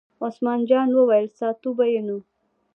عثمان جان وویل: ساتو به یې نو.